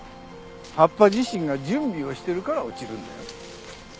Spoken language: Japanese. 葉っぱ自身が準備をしてるから落ちるんだよ。